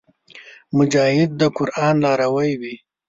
مجاهد د قران لاروي وي.